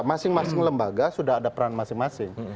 masing masing lembaga sudah ada peran masing masing